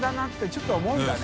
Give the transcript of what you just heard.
ちょっと思うんだね。